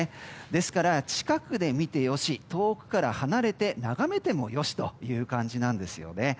ですから、近くで見て良し遠くから離れて眺めても良しという感じなんです。